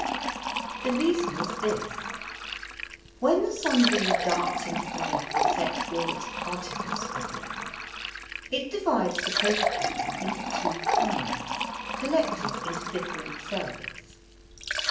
The reason is this: when the sunbeam darts into the leaf and sets all its particles quivering, it divides the protoplasm into two kinds, collected into different cells.